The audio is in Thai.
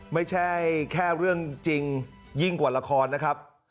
ไม่ใช่แค่เรื่องจริงยิ่งกว่าละครนะครับ